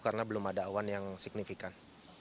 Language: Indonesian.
karena belum ada awan yang signifikan